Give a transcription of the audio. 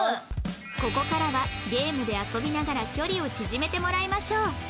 ここからはゲームで遊びながら距離を縮めてもらいましょう